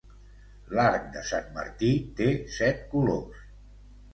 L'arc de Sant Martí té set colors.